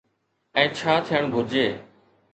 ۽ ڇا ٿيڻ گهرجي؟